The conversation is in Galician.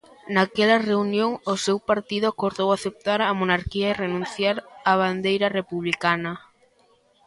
Naquela reunión, o seu partido acordou aceptar a monarquía e renunciar á bandeira republicana.